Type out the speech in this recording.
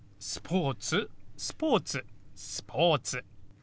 「スポーツ」「スポーツ」「スポーツ」。